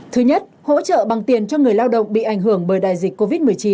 thứ nhất hỗ trợ bằng tiền cho người lao động bị ảnh hưởng bởi đại dịch covid một mươi chín